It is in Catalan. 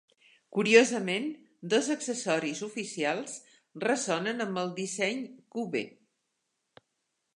Curiosament, dos accessoris oficials ressonen amb el disseny "Cube".